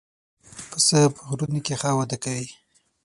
پسه په غرونو کې ښه وده کوي.